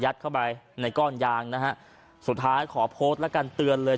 เข้าไปในก้อนยางนะฮะสุดท้ายขอโพสต์แล้วกันเตือนเลย